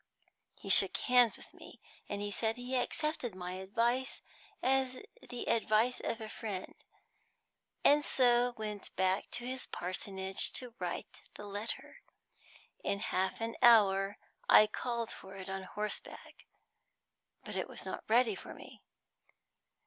He shook hands with me, and said he accepted my advice as the advice of a friend, and so went back to his parsonage to write the letter. In half an hour I called for it on horseback, but it was not ready for me.